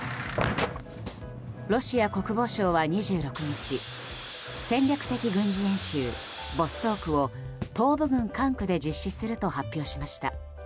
ロシア国防省は２６日戦略的軍事演習ボストークを東部軍管区で実施すると発表しました。